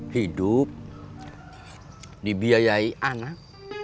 hidup dibiayai anak